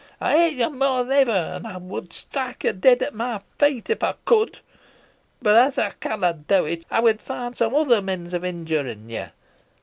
Ey hate yo more than ever, an wad strike yo dead at my feet, if ey could. Boh as ey conna do it, ey win find some other means o' injurin' ye.